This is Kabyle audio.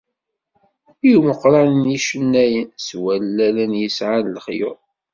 I umeqqran n yicennayen, s wallalen yesɛan lexyuḍ.